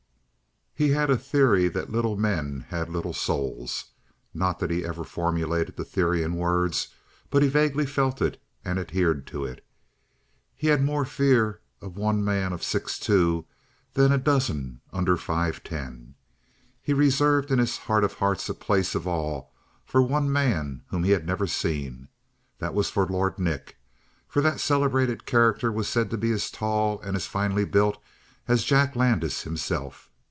He had a theory that little men had little souls. Not that he ever formulated the theory in words, but he vaguely felt it and adhered to it. He had more fear of one man of six two than a dozen under five ten. He reserved in his heart of hearts a place of awe for one man whom he had never seen. That was for Lord Nick, for that celebrated character was said to be as tall and as finely built as Jack Landis himself.